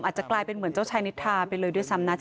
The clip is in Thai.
อาจจะกลายเป็นเหมือนเจ้าชายนิทาไปเลยด้วยซ้ำนะจ๊